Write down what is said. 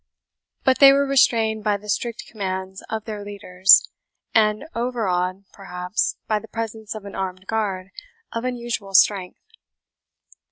But they were restrained by the strict commands of their leaders, and overawed, perhaps, by the presence of an armed guard of unusual strength.